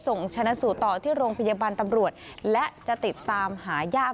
ส่งชาญสูตรที่โรงพยาบาลตำรวจ